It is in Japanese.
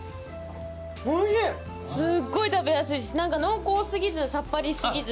すごい食べやすいしなんか濃厚すぎずさっぱりすぎず。